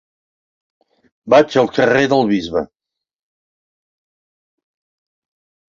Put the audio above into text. Vaig al carrer del Bisbe.